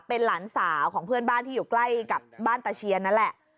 เป็นหลานสาวของเพื่อนบ้านที่อยู่ใกล้กับบ้านตะเชียนนั่นแหละ